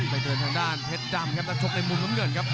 ไปเดินข้างด้านเพชรดำลังการชมในมุมหมุมเผือนครับ